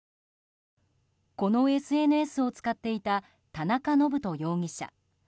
このＳＮＳを使っていた田中信人容疑者。